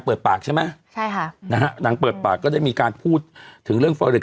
ขอบคุณนะครับขอบคุณนะครับขอบคุณนะครับ